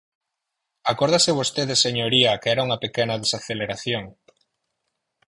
Acórdase vostede, señoría, que era unha pequena desaceleración.